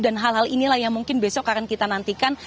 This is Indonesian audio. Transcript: dan hal hal inilah yang mungkin besok akan kita nantikan